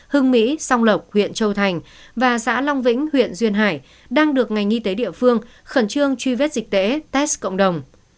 hưng mỹ song lộc huyện châu thành và xã long vĩnh huyện duyên hải đang được ngành y tế địa phương khẩn trương truy vết dịch tễ test cộng đồng